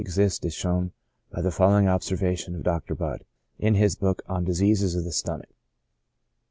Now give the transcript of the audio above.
exist is shown by the following observation of Dr. Budd, in his book on " Diseases of the Stomach."